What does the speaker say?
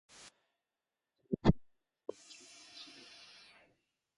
ヒマーチャル・プラデーシュ州の州都はシムラーである